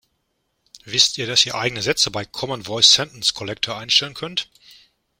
Wisst ihr, dass ihr eigene Sätze bei Common Voice Sentence Collector einstellen könnt?